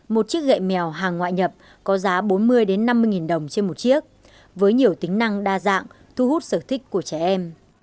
một chiếc gậy mèo hàng ngoại nhập có giá bốn mươi năm mươi đồng trên một chiếc với nhiều tính năng đa dạng thu hút sở thích của trẻ em